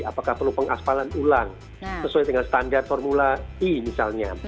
apakah perlu pengaspalan ulang sesuai dengan standar formula e misalnya